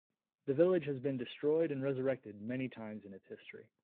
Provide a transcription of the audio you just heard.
The village has been destroyed and resurrected many times in its history.